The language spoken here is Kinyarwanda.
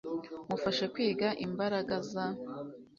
Mufashe kwiga imbaraga za